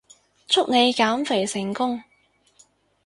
祝你減肥成功